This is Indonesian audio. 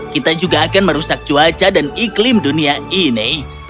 kita juga akan merusak cuaca dan iklim dunia ini